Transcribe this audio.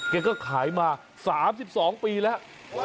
แกก็ขายมา๓๒ปีแล้ว